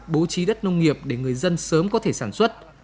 bố trí đất nông nghiệp để người dân sớm có thể sản xuất